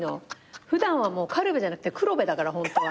普段は軽部じゃなくて黒部だからホントは。